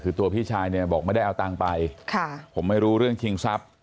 คือตัวพี่ชายเนี่ยบอกไม่ได้เอาตังค์ไปผมไม่รู้เรื่องชิงทรัพย์